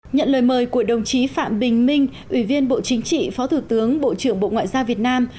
nhận lời mời của đồng chí phạm bình minh ủy viên bộ chính trị phó thủ tướng bộ trưởng bộ ngoại giao việt nam